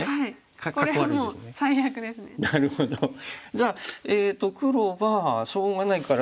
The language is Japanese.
じゃあえっと黒はしょうがないから。